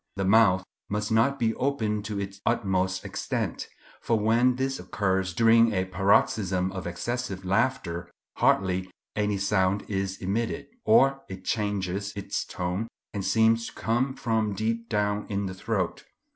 The mouth must not be opened to its utmost extent, for when this occurs during a paroxysm of excessive laughter hardly any sound is emitted; or it changes its tone and seems to come from deep down in the throat.